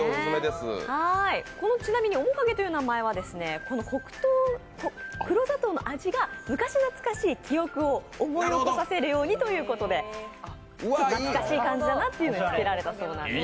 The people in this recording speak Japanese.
ちなみにおもかげという名前は黒砂糖の味が昔懐かしい記憶を思い起こされるようちょっと懐かしい感じだなということでつけられたそうです。